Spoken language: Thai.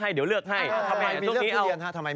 ทำไมมีเลือกทุเรียน